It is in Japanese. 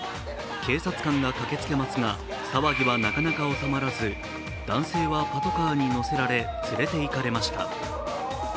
警察官が駆けつけますが騒ぎはなかなか収まらず男性はパトカーに乗せられ連れていかれました。